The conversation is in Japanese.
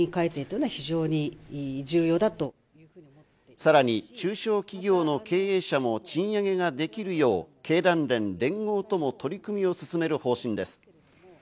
さらに中小企業の経営者も賃上げができるよう、経団連、連合とも取り組みを進める方針です。